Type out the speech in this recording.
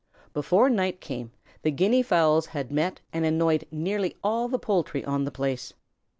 Before night came, the Guinea fowls had met and annoyed nearly all the poultry on the place.